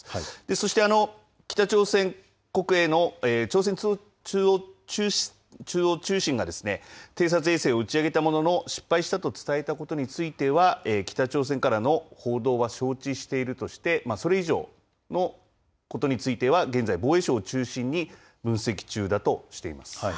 そして、北朝鮮国営の朝鮮中央通信が偵察衛星を打ち上げたものの、失敗したと伝えたことについては、北朝鮮からの報道は承知しているとして、それ以上のことについては、現在、防衛省を中心に分析中だとしています。